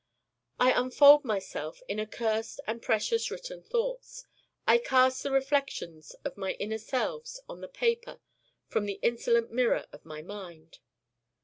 I unfold myself in accursed and precious written thoughts. I cast the reflections of my inner selves on the paper from the insolent mirror of my Mind.